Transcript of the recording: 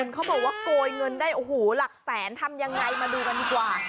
เขาบอกว่าโกยเงินได้โอ้โหหลักแสนทำยังไงมาดูกันดีกว่า